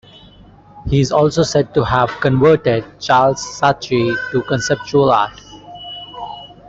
He is also said to have 'converted' Charles Saatchi to conceptual art.